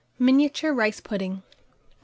MINIATURE RICE PUDDINGS.